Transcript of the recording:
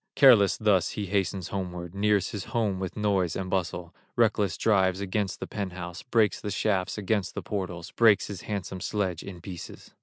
Careless thus he hastens homeward, Nears his home with noise and bustle, Reckless drives against the pent house, Breaks the shafts against the portals, Breaks his handsome sledge in pieces.